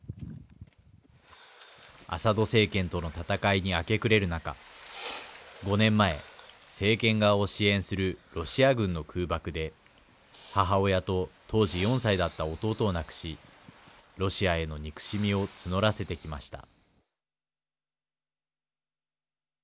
アサド政権との戦いに明け暮れる中５年前政権側を支援するロシア軍の空爆で母親と当時４歳だった弟を亡くしロシアへの憎しみを募らせてきました。